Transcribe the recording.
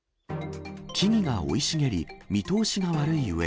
木々が生い茂り、見通しが悪いうえ、